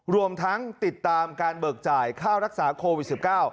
รวมทั้งติดตามการเบิกจ่ายค่ารักษาโควิด๑๙